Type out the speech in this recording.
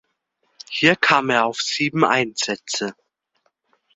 Hier kam er auf sieben Einsätze.